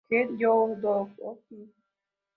Get Your Dog Off Me!